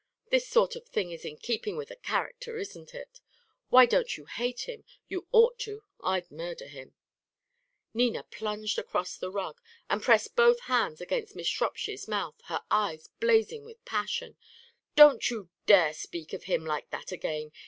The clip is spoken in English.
This sort of thing is in keeping with the character, isn't it? Why don't you hate him? You ought to. I'd murder him " Nina plunged across the rug, and pressed both hands against Miss Shropshire's mouth, her eyes blazing with passion. "Don't you dare speak of him like that again!